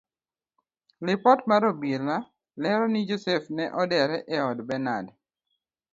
Lipot mar obila lero ni joseph ne odere ei od benard.